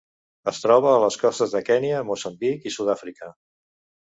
Es troba a les costes de Kenya, Moçambic i Sud-àfrica.